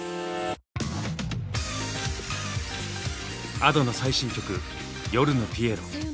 Ａｄｏの最新曲「夜のピエロ」。